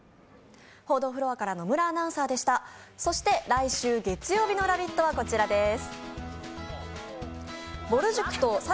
来週月曜日の「ラヴィット！」はこちらです。